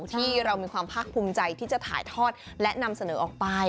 ที่เรามีความภาคภูมิใจที่จะถ่ายทอดและนำเสนอออกไป